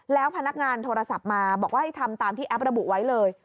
แล้วพนักงานโทรศัพท์มาบอกว่าให้ทำตามที่แอประบุไว้เลย